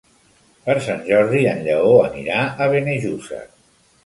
Per Sant Jordi en Lleó anirà a Benejússer.